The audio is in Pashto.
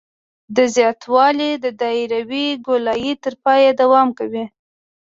دا زیاتوالی د دایروي ګولایي تر پایه دوام کوي